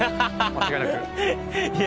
間違いなくいや